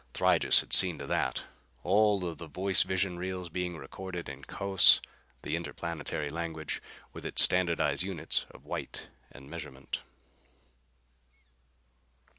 Thrygis had seen to that, all of the voice vision reels being recorded in Cos, the interplanetary language, with its standardized units of weight and measurement.